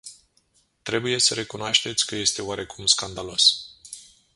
Trebuie să recunoașteți că este oarecum scandalos.